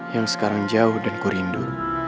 yang sekarang jauh dan ku rindu